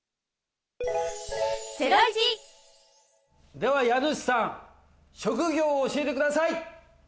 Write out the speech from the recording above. では家主さん、職業を教えてください。